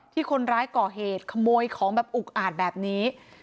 ที่คนร้ายก่อเหตุขโมยของแบบอุกอาจแบบนี้